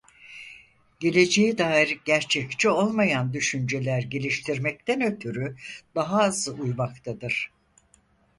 Geleceğe dair gerçekçi olmayan düşünceler geliştirmekten ötürü daha az uyumaktadırlar.